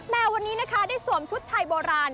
วันนี้นะคะได้สวมชุดไทยโบราณ